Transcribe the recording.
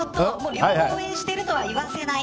両方応援してるとは言わせない。